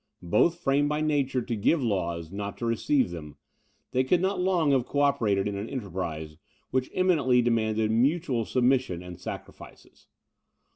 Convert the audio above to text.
Both framed by nature to give laws, not to receive them, they could not long have co operated in an enterprise, which eminently demanded mutual submission and sacrifices.